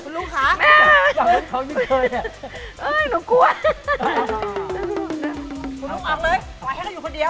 ลูกคันให้มาก่อนดี